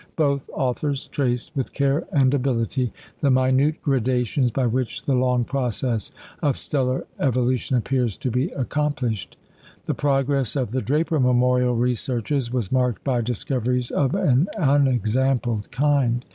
Both authors traced, with care and ability, the minute gradations by which the long process of stellar evolution appears to be accomplished. The progress of the Draper Memorial researches was marked by discoveries of an unexampled kind.